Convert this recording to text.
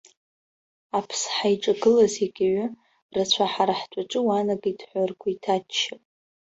Аԥсҳа иҿагылаз иагаҩы, рацәа ҳара ҳтәаҿы уаанагеит ҳәа, ргәы иҭаччап.